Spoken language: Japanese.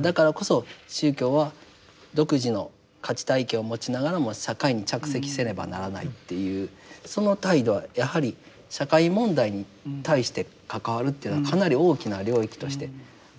だからこそ宗教は独自の価値体系を持ちながらも社会に着席せねばならないっていうその態度はやはり社会問題に対して関わるというのはかなり大きな領域としてあると思いますね。